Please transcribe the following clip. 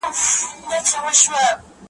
جنت ځای وي د هغو چي کوي صبر `